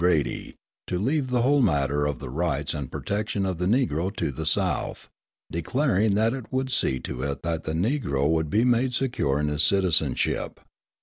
Grady, to leave the whole matter of the rights and protection of the Negro to the South, declaring that it would see to it that the Negro would be made secure in his citizenship.